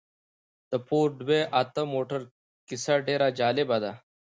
د فورډ وي اته موټر کيسه ډېره جالبه ده.